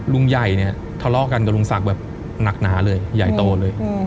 ลุงใหญ่เนี่ยทะเลาะกันกับลุงศักดิ์แบบหนักหนาเลยใหญ่โตเลย